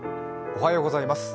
おはようございます。